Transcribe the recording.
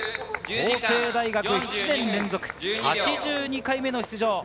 法政大学、７年連続８２回目の出場。